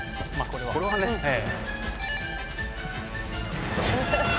これはね。